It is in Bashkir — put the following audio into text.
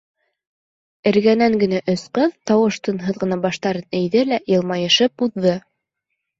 Эргәнән генә өс ҡыҙ, тауыш-тынһыҙ ғына баштарын эйҙе лә, йылмайышып уҙҙы.